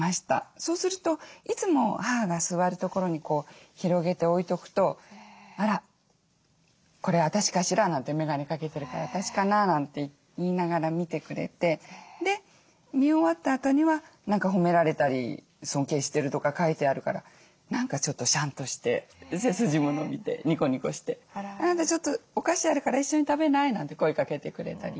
そうするといつも母が座る所に広げて置いとくと「あらこれ私かしら」なんて「眼鏡かけてるから私かな」なんて言いながら見てくれてで見終わったあとには何か褒められたり尊敬してるとか書いてあるから何かちょっとシャンとして背筋も伸びてニコニコして「あなたちょっとお菓子あるから一緒に食べない？」なんて声かけてくれたり。